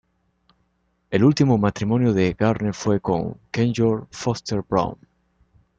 El último matrimonio de Garner fue con Kenyon Foster Brown.